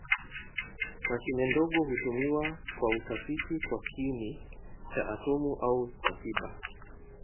Mashine ndogo hutumiwa kwa utafiti kwa kiini cha atomi au kwa tiba.